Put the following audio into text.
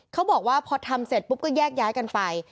เขาบอกว่าพอทำเสร็จปุ๊บก็แยกย้ายกันไป